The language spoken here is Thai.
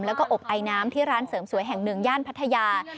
แล้วก็อบไอน้ำที่ร้านเสริมสวยแห่งหนึ่งย่านพัทยา